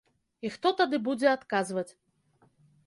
І хто тады будзе адказваць.